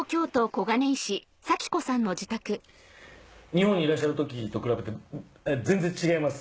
日本にいらっしゃる時と比べて全然違います？